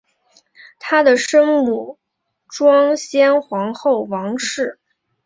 她的生母庄宪皇后王氏。